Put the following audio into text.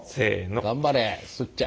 頑張れすっちゃん。